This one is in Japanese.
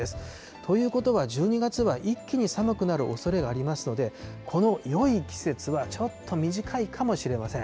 ということは、１２月は一気に寒くなるおそれがありますので、このよい季節はちょっと短いかもしれません。